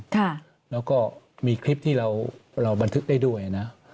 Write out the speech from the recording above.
ค่ะแล้วก็มีคลิปที่เราบันทึกได้ด้วยนะ